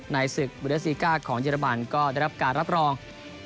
ในศึกเบอร์เดอร์ซีก้าของเจราบันก็ได้รับการรับรอง